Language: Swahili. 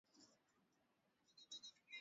Mama ameshinda tuzo kubwa sana